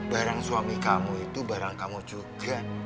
barang suami kamu itu barang kamu juga